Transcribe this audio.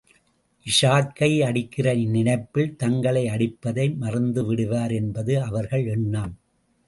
இஷாக்கை அடிக்கிற நினைப்பில், தங்களை அடிப்பதை மறந்துவிடுவார் என்பது அவர்கள் எண்ணம்.